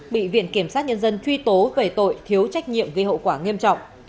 bị viện kiểm sát nhân dân truy tố về tội thiếu trách nhiệm gây hậu quả nghiêm trọng